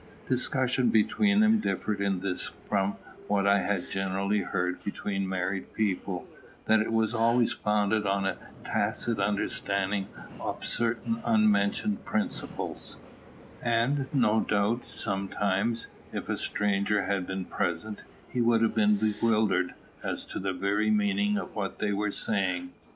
Discussion between them differed in this from what I have generally heard between married people, that it was always founded on a tacit understanding of certain unmentioned principles; and no doubt sometimes, if a stranger had been present, he would have been bewildered as to the very meaning of what they were saying.